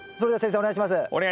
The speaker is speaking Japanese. お願い致します。